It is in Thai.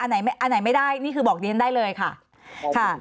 อันไหนไม่ได้นี่คือบอกนี้ได้เลยค่ะ